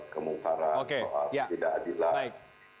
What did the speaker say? kemukaran soal tidak adilah